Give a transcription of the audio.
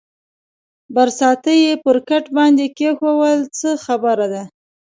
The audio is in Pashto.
برساتۍ یې پر کټ باندې کېښوول، څه خبره ده؟